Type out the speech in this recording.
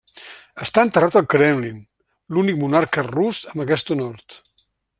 Està enterrat al Kremlin, l'únic monarca rus amb aquest honor.